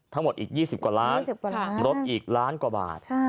ทั้งหมดอีก๒๐กว่าล้านลดอีกล้านกว่าบาท๒๐กว่าล้าน